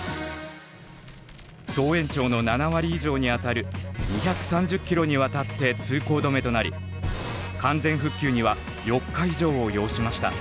総延長の７割以上にあたる２３０ｋｍにわたって通行止めとなり完全復旧には４日以上を要しました。